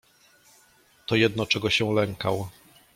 "To jedno, czego się lękał."